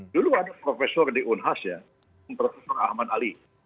dulu ada profesor di unhas ya prof ahmad ali